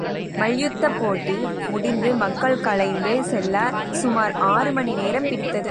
மல்யுத்தப் போட்டி முடிந்து மக்கள் கலைந்து செல்ல, சுமார் ஆறு மணி நேரம் பிடித்தது.